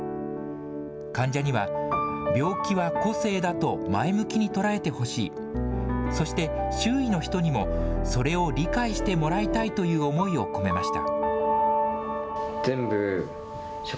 患者には、病気は個性だと前向きに捉えてほしい、そして周囲の人にも、それを理解してもらいたいという思いを込めました。